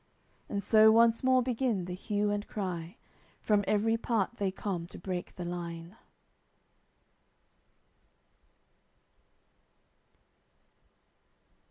And so once more begin the hue and cry, From every part they come to break the line.